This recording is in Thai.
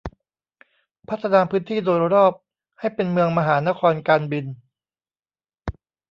พัฒนาพื้นที่โดยรอบให้เป็นเมืองมหานครการบิน